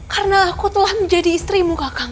karena aku telah menjadi istrimu kakang